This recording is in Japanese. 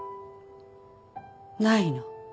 ないの？